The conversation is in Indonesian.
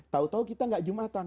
tahu tahu kita gak jumatan